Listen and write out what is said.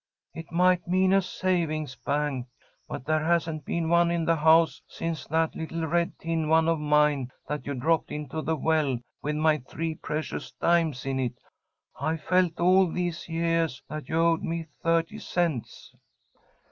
"It might mean a savings bank, but there hasn't been one in the house since that little red tin one of mine that you dropped into the well with my three precious dimes in it. I've felt all these yeahs that you owed me thirty cents."